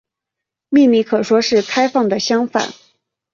秘密可说是开放的相反。